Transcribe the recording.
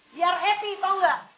biar happy tau ga